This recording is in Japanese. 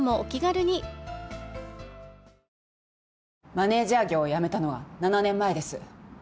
マネジャー業を辞めたのは７年前です。